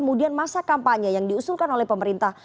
kemudian masa kampanye yang diusulkan oleh pemerintah